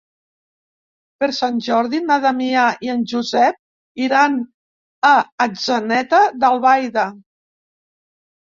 Per Sant Jordi na Damià i en Josep iran a Atzeneta d'Albaida.